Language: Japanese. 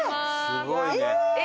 すごいね。